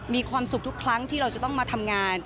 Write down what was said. มีความสุขทุกครั้งที่เราจะต้องมาทำงาน